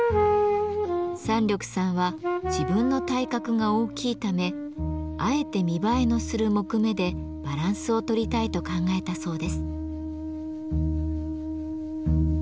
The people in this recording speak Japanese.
山緑さんは自分の体格が大きいためあえて見栄えのする木目でバランスをとりたいと考えたそうです。